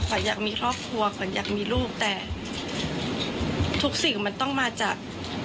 อยากมีครอบครัวขวัญอยากมีลูกแต่ทุกสิ่งมันต้องมาจาก